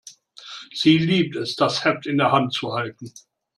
Sie liebt es, das Heft in der Hand zu halten.